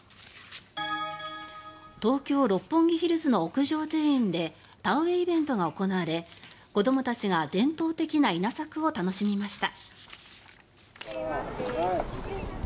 東京・六本木ヒルズの屋上庭園で田植えイベントが行われ子どもたちが伝統的な稲作を楽しみました。